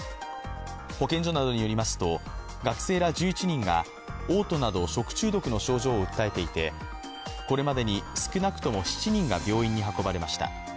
保健所などによりますと学生ら１１人がおう吐など食中毒の症状を訴えていてこれまでに少なくとも７人が病院に運ばれました。